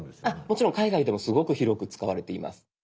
もちろん海外でもすごく広く使われています。